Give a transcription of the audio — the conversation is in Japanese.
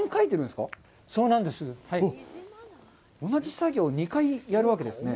同じ作業を２回やるわけですね。